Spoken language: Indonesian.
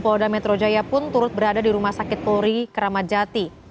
polda metro jaya pun turut berada di rumah sakit polri keramat jati